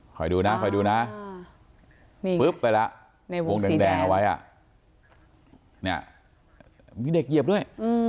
ดูนะคอยดูนะปุ๊บไปแล้วในวงแดงเอาไว้เนี่ยมีเด็กเหยียบด้วย